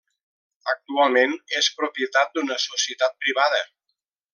Actualment és propietat d'una societat privada.